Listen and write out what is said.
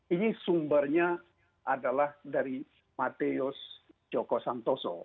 ini sumbernya adalah dari mateus joko santoso